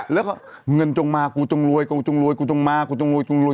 แล้วก็เงินจงมากูจงรวยกูจงมากูจงรวย